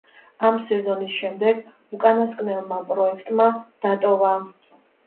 ამ სეზონის შემდეგ უკანასკნელმა პროექტი დატოვა.